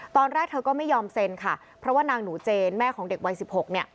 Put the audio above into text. ตอนแรกเธอก็ไม่ยอมเซ็นค่ะเพราะว่านางหนูเจนแม่ของเด็กวัยสิบหกเนี่ย